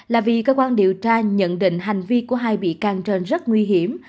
là vì cơ quan điều tra nhận định hành vi của hai bị can trên rất nguy hiểm